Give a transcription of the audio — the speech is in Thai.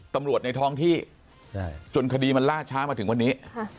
ในท้องที่จนคดีมันล่าช้ามาถึงวันนี้